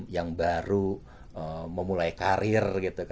yang baru memulai karir